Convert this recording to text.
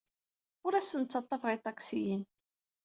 Ur asen-d-ttaḍḍafeɣ iṭaksiyen.